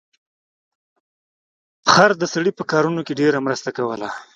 خر د سړي په کارونو کې ډیره مرسته کوله.